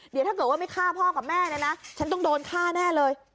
เดี๋ยวถ้าเกิดว่าไม่ฆ่าพ่อกับแม่เนี่ยนะฉันต้องโดนฆ่าแน่เลย